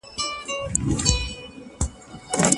وروسته ولاړه سوه او ووتله.